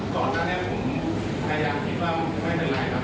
ก่อนหน้าเนี่ยผมก็อยากคิดว่าไม่เป็นรายงาน